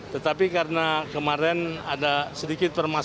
tetapi karena kemarin ada sedikit permasalahan